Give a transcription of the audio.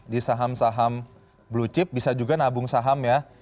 di saham saham blue chip bisa juga nabung saham ya